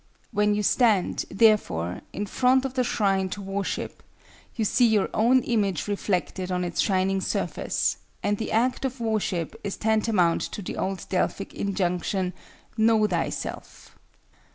When you stand, therefore, in front of the shrine to worship, you see your own image reflected on its shining surface, and the act of worship is tantamount to the old Delphic injunction, "Know Thyself."